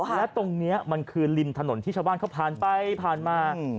และตรงนี้มันคือริมถนนที่ชาวบ้านเขาผ่านไปผ่านมา